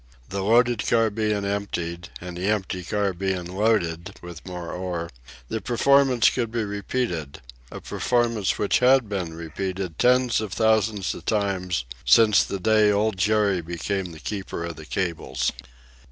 The loaded car being emptied, and the empty car being loaded with more ore, the performance could be repeated a performance which had been repeated tens of thousands of times since the day Old Jerry became the keeper of the cables.